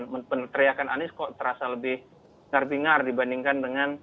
meneriakan anies kok terasa lebih ngar bingar dibandingkan dengan